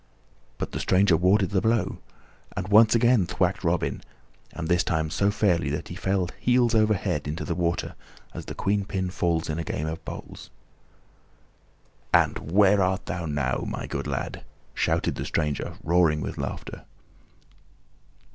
But the stranger warded the blow and once again thwacked Robin, and this time so fairly that he fell heels over head into the water, as the queen pin falls in a game of bowls. "And where art thou now, my good lad?" shouted the stranger, roaring with laughter.